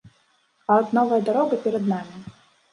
А от новая дарога перад намі.